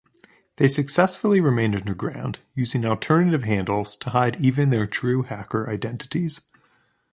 They successfully remained underground using alternative handles to hide even their true hacker identities.